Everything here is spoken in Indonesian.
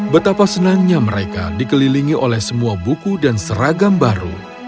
betapa senangnya mereka dikelilingi oleh semua buku dan seragam baru